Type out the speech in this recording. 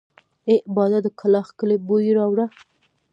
اې باده د کلاخ کلي بوی راوړه!